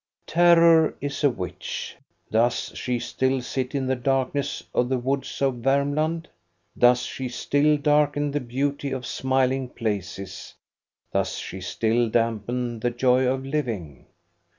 Terror is a witch. Does she still sit in the dark ness of the woods of Varmland? Does she still darken the beauty of smiling places, does she still dampen the joy of living?